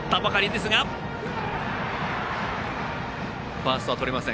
ファーストはとれません。